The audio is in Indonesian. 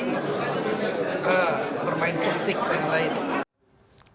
bukan bermain kritik yang lain